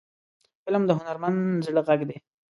فلم د هنرمند زړه غږ دی